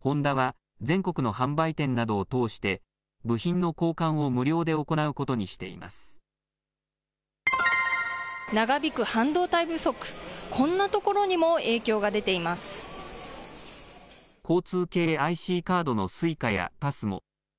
ホンダは全国の販売店などを通して、部品の交換を無料で行うこと長引く半導体不足、こんなと交通系ＩＣカードのＳｕｉｃａやＰＡＳＭＯ。